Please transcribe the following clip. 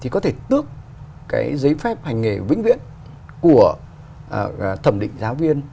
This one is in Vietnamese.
của thẩm định giáo viên